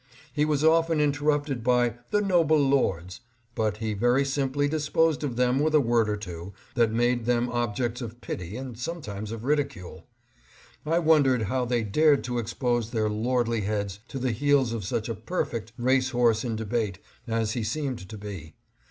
He was often interrupted by " the noble Lords," but he very simply disposed of them with a word or two that made them objects of pity and sometimes of ridicule. I wondered how they dared to expose their lordly heads to the heels of such a perfect race horse in debate as he seemed to be.